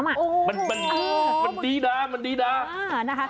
มันดีด้ามันดีด้า